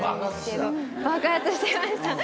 爆発してました。